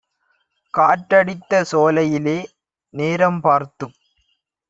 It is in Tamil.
காற்றடித்த சோலையிலே நேரம் பார்த்துக்